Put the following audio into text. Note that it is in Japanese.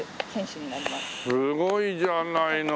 すごいじゃないの。